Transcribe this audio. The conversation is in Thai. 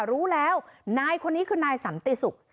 รู้แล้วนายคนนี้คือนายสันติศุกร์